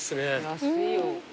安いよ